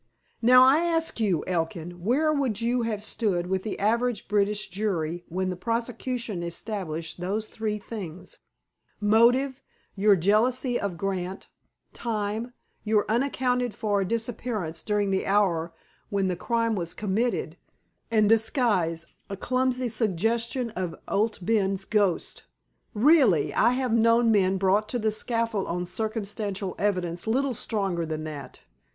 Now, I ask you, Elkin, where would you have stood with the average British jury when the prosecution established those three things: Motive, your jealousy of Grant; time, your unaccounted for disappearance during the hour when the crime was committed; and disguise, a clumsy suggestion of Owd Ben's ghost? Really, I have known men brought to the scaffold on circumstantial evidence little stronger than that.